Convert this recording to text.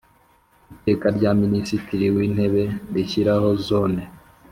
Iteka rya Minisitiri w Intebe rishyiraho Zone